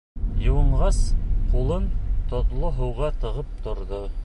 Йыуынғас, ҡулын тоҙло һыуға тығып торҙо.